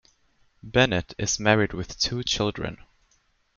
Bennett is married with two children.